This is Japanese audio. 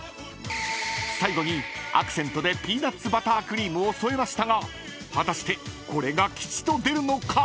［最後にアクセントでピーナッツバタークリームを添えましたが果たしてこれが吉と出るのか⁉］